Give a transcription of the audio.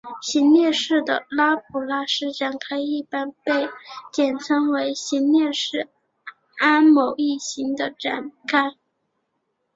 行列式的拉普拉斯展开一般被简称为行列式按某一行的展开。